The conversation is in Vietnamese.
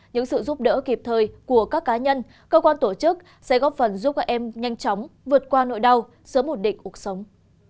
những sự giúp đỡ kịp thời của các cá nhân cơ quan tổ chức sẽ góp phần giúp các em nhanh chóng vượt qua nỗi đau sớm ổn định cuộc sống